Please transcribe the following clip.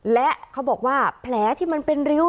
และเขาบอกว่าแผลที่มันเป็นริ้ว